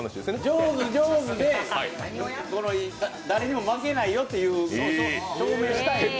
上手、上手で、誰にも負けないことを証明したい。